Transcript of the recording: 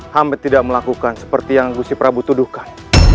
hamed tidak melakukan seperti yang kusi prabu tuduhkan